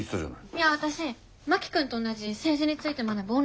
いや私真木君と同じ政治について学ぶ